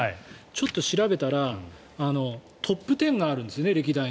ちょっと調べたら歴代のトップ１０があるんです。